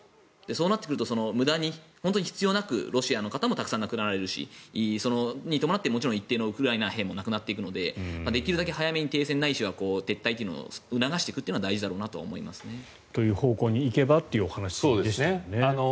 そうなってくると無駄に必要なくロシアの方もたくさん亡くなられるしそれに伴って一定のウクライナ兵も亡くなっていくのでできるだけ早めに停戦ないしは撤退というのを促していくのは大事だと思いますね。という方向に行けばというお話でしたよね。